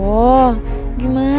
aku sudah berangkat sama siapa